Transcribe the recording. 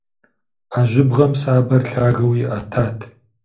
А жьыбгъэм сабэр лъагэу иӏэтат.